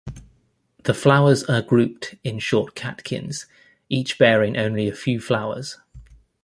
The flowers are grouped in short catkins each bearing only a few flowers.